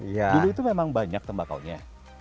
jadi itu memang banyak tembakaunya